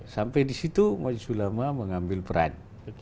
sampai di situ majelis ulama mengambil peran